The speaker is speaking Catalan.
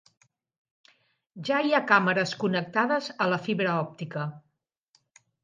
Ja hi ha càmeres connectades a la fibra òptica.